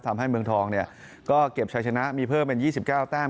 ทำให้เมืองทองเก็บใช้ชนะมีเพิ่มเป็น๒๙แต้ม